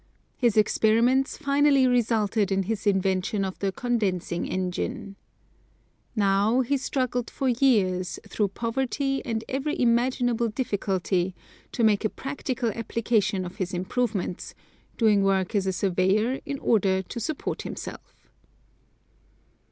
His experiments finally resulted in his invention of the condensing engine. Now, he struggled for years, through poverty and every imaginable difficulty, to make a practical application of his improvements, doing work as a surveyor in order to support himself.